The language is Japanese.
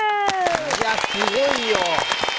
いや、すごいよ。